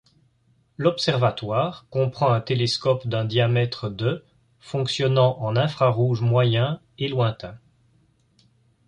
L'observatoire comprend un télescope d'un diamètre de fonctionnant en infrarouge moyen et lointain.